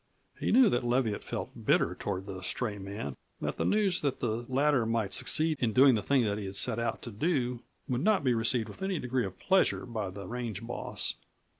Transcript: He knew that Leviatt felt bitter toward the stray man and that the news that the latter might succeed in doing the thing that he had set out to do would not be received with any degree of pleasure by the range boss.